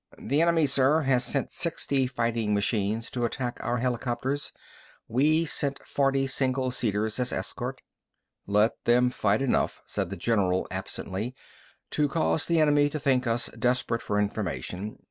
"The enemy, sir, has sent sixty fighting machines to attack our helicopters. We sent forty single seaters as escort." "Let them fight enough," said the general absently, "to cause the enemy to think us desperate for information.